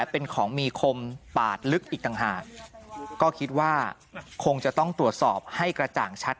เป็นของมีคมปาดลึกอีกต่างหากก็คิดว่าคงจะต้องตรวจสอบให้กระจ่างชัด